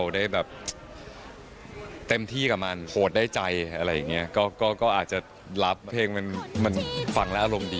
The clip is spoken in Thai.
อ่ะงานนี้ค่ะเพชรทะกริจจะว่ายังไง